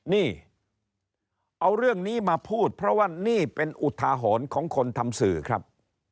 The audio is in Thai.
นี่เอาเรื่องนี้มาพูดเพราะว่านี่เป็นอุทาหรณ์ของคนทำสื่อครับ